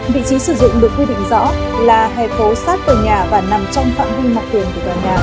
vị trí sử dụng được quy định rõ là hệ phố sát tờ nhà và nằm trong phạm vương mọc tiền của tờ nhà kết nối với không gian tầng một